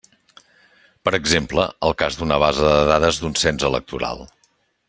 Per exemple, el cas d'una base de dades d'un cens electoral.